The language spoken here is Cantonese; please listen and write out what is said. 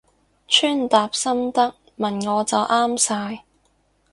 穿搭心得問我就啱晒